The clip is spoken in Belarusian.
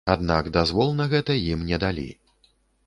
Аднак дазвол на гэта ім не далі.